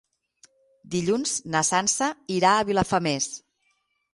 Dilluns na Sança irà a Vilafamés.